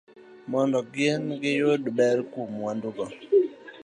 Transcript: mondo gin giwegi giyud ber kuom mwandugo